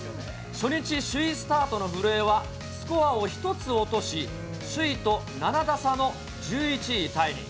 初日首位スタートの古江は、スコアを１つ落とし、首位と７打差の１１位タイに。